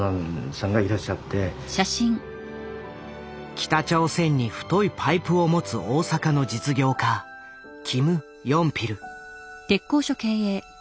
北朝鮮に太いパイプを持つ大阪の実業家キム・ヨンピル。